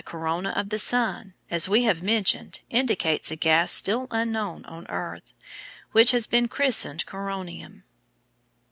The light from the corona of the sun, as we have mentioned indicates a gas still unknown on earth, which has been christened Coronium.